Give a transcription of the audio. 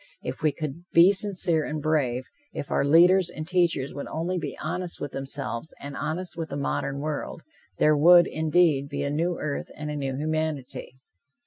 If we could be sincere and brave; if our leaders and teachers would only be honest with themselves and honest with the modern world, there would, indeed, be a new earth and a new humanity.